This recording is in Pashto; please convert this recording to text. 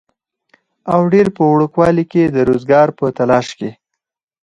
او ډېر پۀ وړوکوالي کښې د روزګار پۀ تالاش کښې